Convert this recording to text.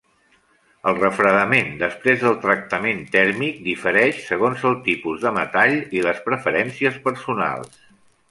El refredament després del tractament tèrmic difereix segons el tipus de metall i les preferències personals.